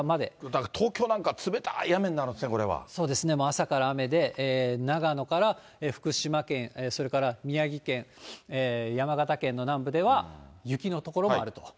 だから東京なんか冷たい雨になるんですね、そうですね、もう朝から雨で、長野から福島県、それから宮城県、山形県の南部では雪の所もあると。